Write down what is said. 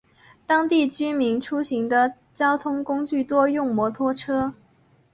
当地居民出行的交通工具多用摩托车。